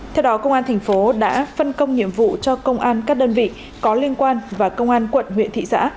theo đó công an thành phố đã phân công nhiệm vụ cho công an các đơn vị có liên quan và công an quận huyện thị xã